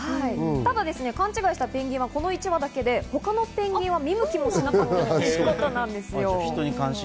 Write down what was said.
ただ、勘違いしたペンギンはこの１羽だけで、他のペンギンは見向きもしなかったということです。